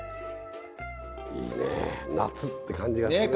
いいね夏って感じがするね。